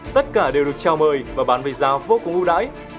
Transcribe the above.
tất cả đều được trao mời và bán về giao vô cùng ưu đãi